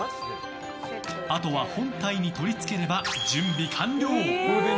あとは本体に取り付ければ準備完了。